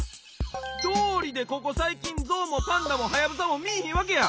どうりでここさいきんゾウもパンダもハヤブサもみいひんわけや！